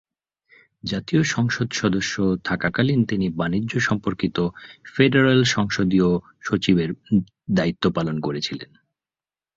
জাতীয় সংসদ সদস্য থাকাকালীন তিনি বাণিজ্য সম্পর্কিত ফেডারাল সংসদীয় সচিবের দায়িত্ব পালন করেছিলেন।